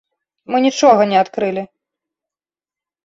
Мы нічога не адкрылі.